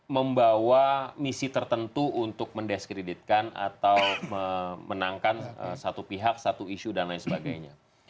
membawa misi tertentu untuk mendiskreditkan atau memenangkan satu pihak satu isu dan lain sebagainya